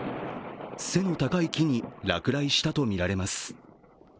背の高い木に落雷したとみられます。